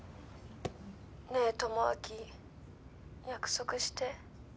ねえ智明約束して。